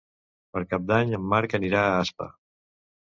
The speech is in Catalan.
Per Cap d'Any en Marc anirà a Aspa.